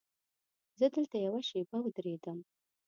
زه دلته یوه شېبه ودرېدم.